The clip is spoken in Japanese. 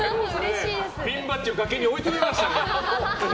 ピンバッジを崖に追い詰めましたね。